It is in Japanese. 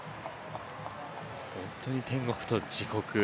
本当に、天国と地獄。